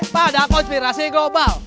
pada konspirasi global